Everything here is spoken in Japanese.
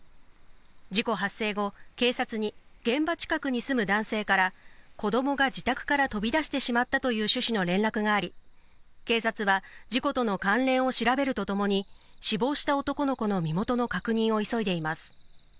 事故発生後、警察に現場近くに住む男性から、子どもが自宅から飛び出してしまったという趣旨の連絡があり、警察は事故との関連を調べるとともに、死亡した男の子の身元の確認を急いでいます。